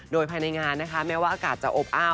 โดยภายในงานนะคะแม้ว่าอากาศจะอบอ้าว